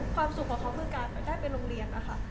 ความสุขของเขาคือการได้ไปโรงเรียนนะคะ